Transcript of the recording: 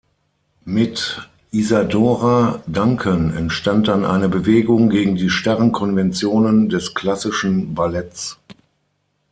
Mit Isadora Duncan entstand dann eine Bewegung gegen die starren Konventionen des klassischen Balletts.